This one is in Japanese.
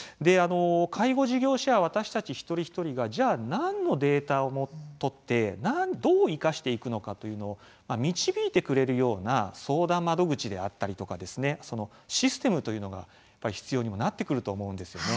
介護事業所や私たち一人一人がじゃあ何のデータを取ってどう生かしていくのかというのを導いてくれるような相談窓口であったりとかそのシステムというのが必要にもなってくると思うんですよね。